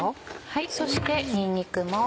そしてにんにくも。